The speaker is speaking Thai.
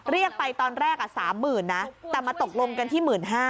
เรียกไปตอนแรก๓๐๐๐นะแต่มาตกลงกันที่๑๕๐๐